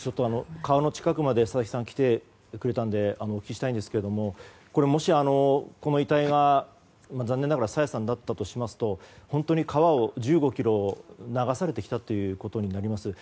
川の近くまで佐々木さん来てくれたんでお聞きしたいんですがもし、この遺体が残念ながら朝芽さんだったとしますと本当に川を１５ｋｍ流されてきたことになります。